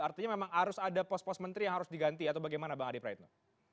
artinya memang harus ada pos pos menteri yang harus diganti atau bagaimana bang adi praetno